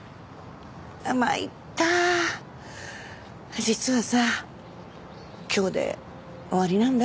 まいった実はさ今日で終わりなんだ